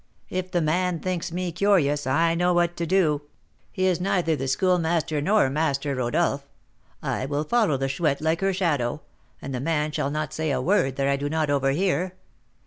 "If the man thinks me curious, I know what to do; he is neither the Schoolmaster nor Master Rodolph. I will follow the Chouette like her shadow, and the man shall not say a word that I do not overhear.